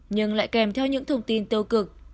nhưng lại kèm theo những thông tin tiêu cực